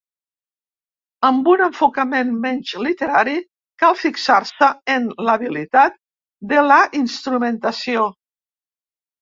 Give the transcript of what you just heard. Amb un enfocament menys literari, cal fixar-se en l'habilitat de la instrumentació.